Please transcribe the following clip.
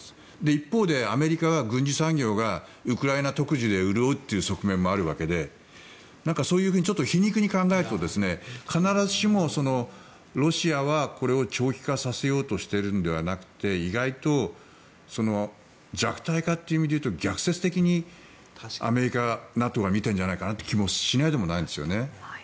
一方で、アメリカは軍需産業がウクライナ特需で潤うという側面もあるわけでそういうふうに、皮肉に考えると必ずしもロシアはこれを長期化させようとしているのではなくて意外と弱体化という意味でいうと逆説的にアメリカ、ＮＡＴＯは見ているんじゃないかという気がしないでもないんですね。